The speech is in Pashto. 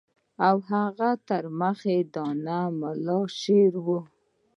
او هغه تر مخه دانه د ملا شعر وو.